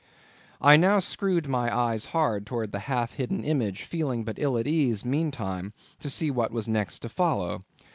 I now screwed my eyes hard towards the half hidden image, feeling but ill at ease meantime—to see what was next to follow.